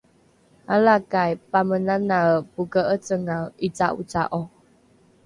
alakai pamenanae poke’ecengae ’ica’oca’o